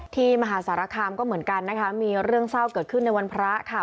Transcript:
มหาสารคามก็เหมือนกันนะคะมีเรื่องเศร้าเกิดขึ้นในวันพระค่ะ